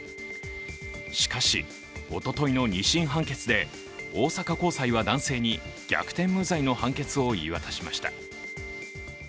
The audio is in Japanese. しかし、おとといの２審判決で大阪高裁は男性に逆転無罪の判決を言い渡しました。